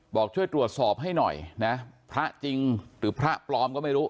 บอกช่วยตรวจสอบให้หน่อยนะพระจริงหรือพระปลอมก็ไม่รู้